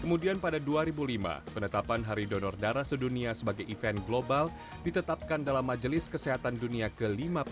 kemudian pada dua ribu lima penetapan hari donor darah sedunia sebagai event global ditetapkan dalam majelis kesehatan dunia ke lima puluh dua